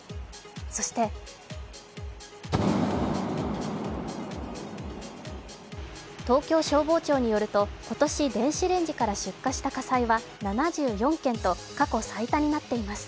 そして東京消防庁によると、今年、電子レンジから出火した火災は７４件と過去最多になっています。